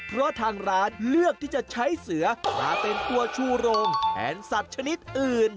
เพราะทางร้านเลือกที่จะใช้เสือมาเป็นตัวชูโรงแทนสัตว์ชนิดอื่น